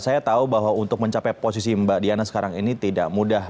saya tahu bahwa untuk mencapai posisi mbak diana sekarang ini tidak mudah